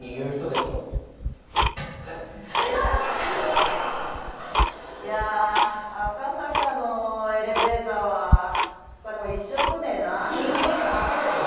すいや赤坂のエレベーターはこれもう一生来ねえなＴＢＳだけでしょ